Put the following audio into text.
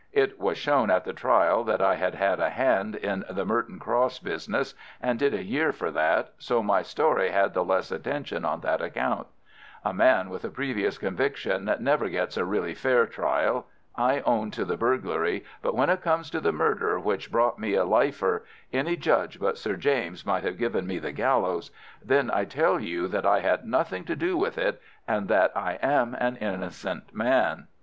It was shown at the trial that I had had a hand in the Merton Cross business, and did a year for that, so my story had the less attention on that account. A man with a previous conviction never gets a really fair trial. I own to the burglary, but when it comes to the murder which brought me a lifer—any judge but Sir James might have given me the gallows—then I tell you that I had nothing to do with it, and that I am an innocent man.